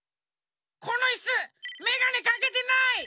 このイスメガネかけてない！